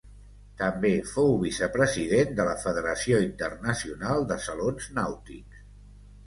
També fou vicepresident de la Federació Internacional de Salons Nàutics.